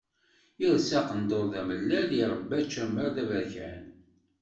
Yelsa aqendur d amellal, irebba ačamar d aberkan.